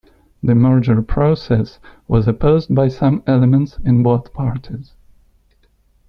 The merger process was opposed by some elements in both parties.